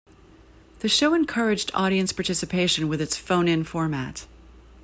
The show encouraged audience participation with its phone-in format.